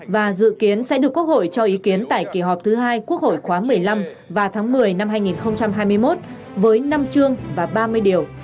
và dự kiến sẽ được quốc hội cho ý kiến tại kỳ họp thứ hai quốc hội khóa một mươi năm vào tháng một mươi năm hai nghìn hai mươi một với năm chương và ba mươi điều